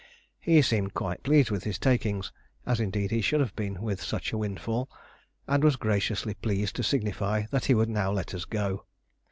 He seemed quite pleased with his takings, as indeed he should have been with such a windfall, and was graciously pleased to signify that he would now let us go.